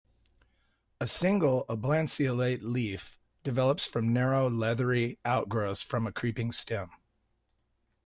A single oblanceolate leaf develops from narrow, leathery outgrowths from a creeping stem.